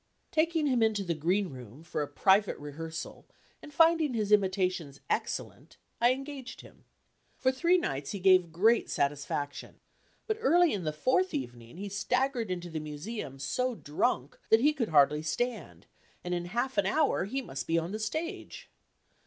Taking him into the green room for a private rehearsal, and finding his imitations excellent, I engaged him. For three nights he gave great satisfaction, but early in the fourth evening he staggered into the Museum so drunk that he could hardly stand, and in half an hour he must be on the stage!